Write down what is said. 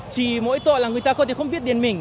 chỉ mỗi tội là người ta không biết đến mình